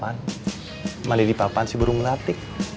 kucing kurus malah dipapan si burung melatik